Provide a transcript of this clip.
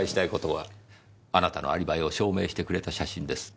あなたのアリバイを証明してくれた写真です。